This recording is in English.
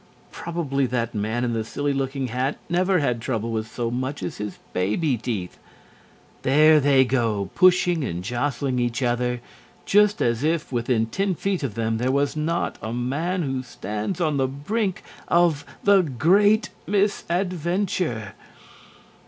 Probably that man in the silly looking hat never had trouble with so much as his baby teeth. There they go, pushing and jostling each other, just as if within ten feet of them there was not a man who stands on the brink of the Great Misadventure.